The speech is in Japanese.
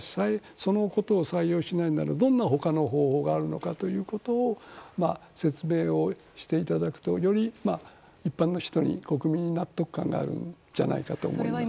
そのことを採用しないならどんなほかの方法があるのかを説明をしていただくとより一般の人に国民に納得感があるんじゃないかと思います。